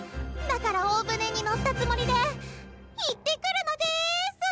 だから大船に乗ったつもりでいってくるのデス！